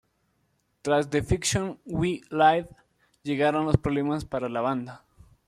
Tras "The Fiction We Live" llegaron los problemas para la banda.